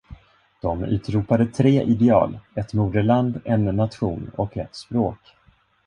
De utropade tre ideal: ett moderland, en nation och ett språk.